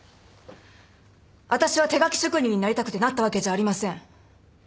私は手描き職人になりたくてなったわけじゃありません。